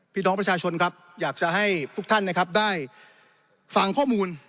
พี่น้องประชาชนครับอยากจะให้ทุกท่านนะครับได้ฟังข้อมูล